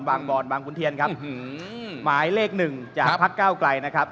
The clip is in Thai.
บอนบางขุนเทียนครับหมายเลขหนึ่งจากพักเก้าไกลนะครับ